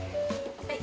はい。